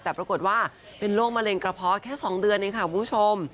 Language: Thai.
แต่ปรากฏว่าเป็นโรคมะเร็งกระเพาะแค่๒เดือนเองค่ะคุณผู้ชม